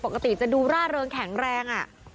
ปกติจะดูร่าเริงแข็งแรง